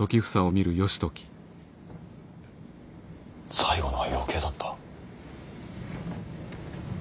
最後のは余計だった。